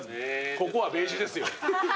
ここはベージュですよ。